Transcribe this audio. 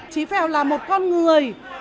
trí phèo là một con người